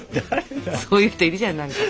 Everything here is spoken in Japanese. そういう人いるじゃん何か。